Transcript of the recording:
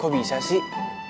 kok bisa sih